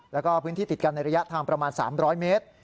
แล้วก็พื้นที่ติดกันในระยะทางประมาณ๓๐๐เมตร